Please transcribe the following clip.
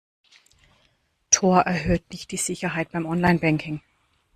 Tor erhöht nicht die Sicherheit beim Online-Banking.